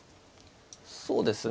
そうですね。